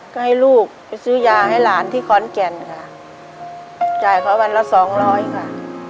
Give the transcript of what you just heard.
ก็ให้ลูกไปซื้อยาให้หลานที่ขอนแก่นค่ะจ่ายเขาวันละสองร้อยค่ะ